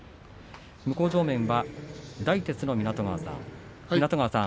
向正面は大徹の湊川さん